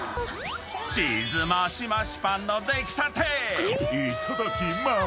［チーズマシマシパンの出来たていただきまーす！］